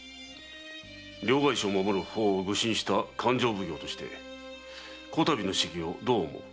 両替商を守る法を具申した勘定奉行として此度の仕儀をどう思う？